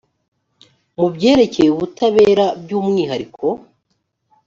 mu byerekeye ubutabera by umwihariko